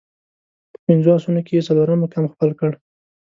په پنځو اسونو کې یې څلورم مقام خپل کړ.